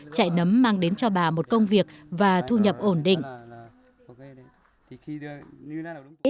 chạy nấm mang đến cho bà một công việc và thu nhập ổn định